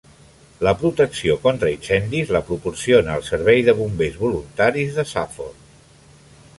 La protecció contra incendis la proporciona el Servei de Bombers Voluntaris de Safford.